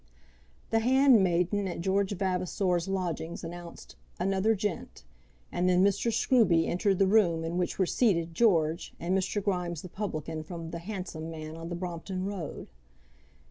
The handmaiden at George Vavasor's lodgings announced "another gent," and then Mr. Scruby entered the room in which were seated George, and Mr. Grimes the publican from the "Handsome Man" on the Brompton Road.